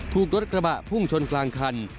ถูกรถกระบะพุ่งชนกลางคัน